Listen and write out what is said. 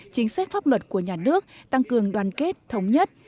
chính sách pháp luật của nhà nước tăng cường đoàn kết thống nhất